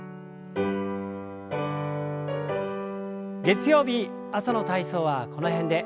月曜日朝の体操はこの辺で。